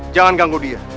jangan ganggu dia